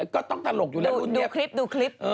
ก็ต้องถลกอยู่แล้วรู้เย็บ